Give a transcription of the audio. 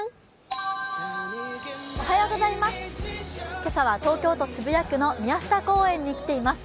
今朝は東京都渋谷区の宮下公園に来ています。